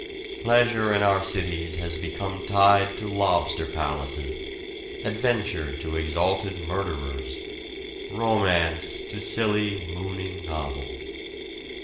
Pleasure in our cities has become tied to lobster palaces, adventure to exalted murderers, romance to silly, mooning novels.